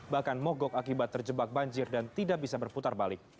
bahkan mogok akibat terjebak banjir dan tidak bisa berputar balik